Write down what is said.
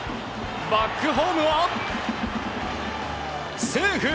バックホームは、セーフ！